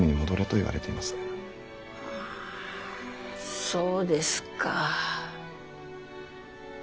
ああそうですか。